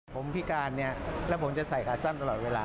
ผมพิการเนี่ยแล้วผมจะใส่ขาสั้นตลอดเวลา